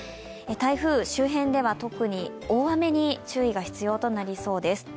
台風周辺では特に大雨に注意が必要となりそうです。